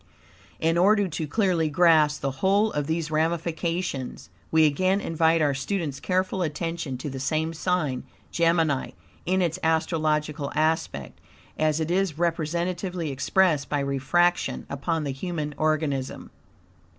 In order to clearly grasp the whole of these ramifications, we again invite our student's careful attention to the same sign, Gemini, in its astrological aspect, as it is representatively expressed by refraction upon the human organism.